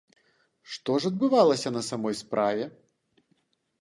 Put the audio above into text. Што ж адбывалася на самой справе?